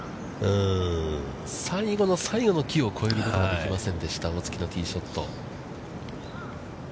最後の最後の木を越えることができませんでした大槻のティーショット。